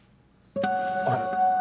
あれ？